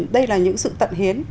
đây là những sự tận hiến